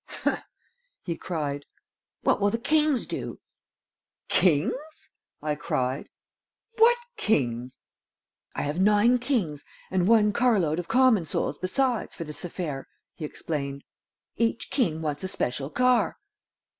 "Humph!" he cried. "What will the kings do?" "Kings!" I cried. "What kings?" "I have nine kings and one car load of common souls besides for this affair," he explained. "Each king wants a special car."